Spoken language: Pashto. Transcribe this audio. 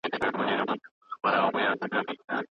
څه شی د افغانانو د مهاجرت اصلي لاملونه دي؟